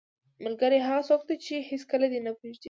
ملګری هغه څوک دی چې هیڅکله دې نه پرېږدي.